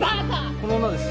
この女です。